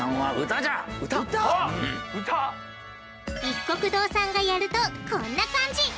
いっこく堂さんがやるとこんな感じ！